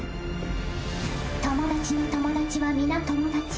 友達の友達は皆友達。